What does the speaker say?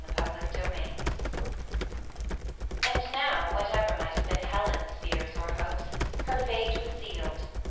CHAPTER VIIL And now, whatever might have been Helen's fears or hopes, her fate was sealed.